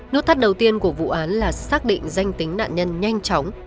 nút thắt đầu tiên của vụ án là xác định danh tính nạn nhân nhanh chóng